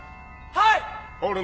はい。